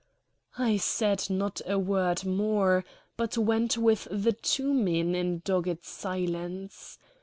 I said not a word more, but went with the two men in dogged silence.